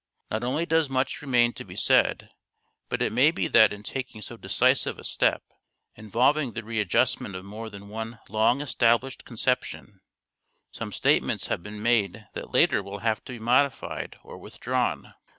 Not only does much remain to be said, but it may be that in taking so decisive a step, involving the re adjustment of more than one long established con ception, some statements have been made that later will have to be modified or withdrawn.